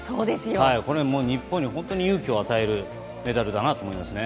これは日本に勇気を与えるメダルだなと思いますね。